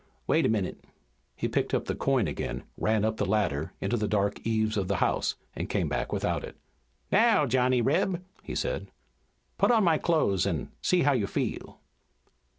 Wait a minute." He picked up the coin again, ran up the ladder into the dark eaves of the house, and came back without it. "Now, Johnny Reb," he said, "put on my clothes and see how you feel."